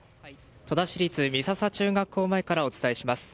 戸田市立美笹中学校前からお伝えします。